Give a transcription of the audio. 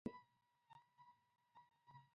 پښتون سړی باید پښتو ته کار وکړي.